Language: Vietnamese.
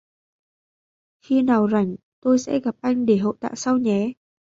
Khi nào rảnh tôi sẽ gặp anh để hậu tạ sau nhé